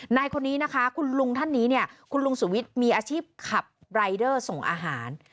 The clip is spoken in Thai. นายคนนี้นะคะคุณลุงท่านนี้เนี่ยคุณลุงสุวิทย์มีอาชีพขับรายเดอร์ส่งอาหาร